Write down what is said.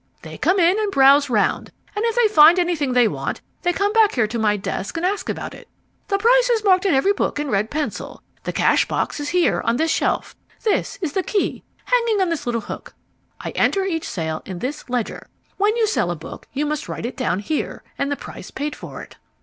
They come in and browse round, and if they find anything they want they come back here to my desk and ask about it. The price is marked in every book in red pencil. The cash box is here on this shelf. This is the key hanging on this little hook. I enter each sale in this ledger. When you sell a book you must write it down here, and the price paid for it."